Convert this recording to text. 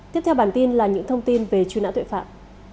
tiếp theo bản tin là những thông tin về truy nã tội phạm